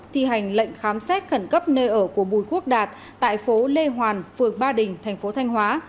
thi hành lệnh khám xét khẩn cấp nơi ở của bùi quốc đạt tại phố lê hoàn phường ba đình thành phố thanh hóa